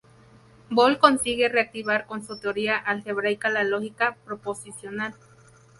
Boole consigue reactivar con su teoría algebraica la lógica proposicional.